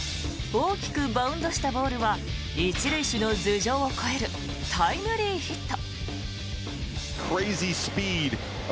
大きくバウンドしたボールは１塁手の頭上を越えるタイムリーヒット。